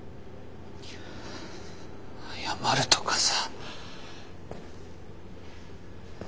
謝るとかさ。